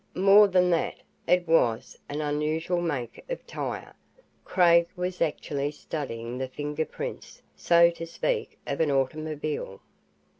More than that, it was an unusual make of tire. Craig was actually studying the finger prints, so to speak, of an automobile!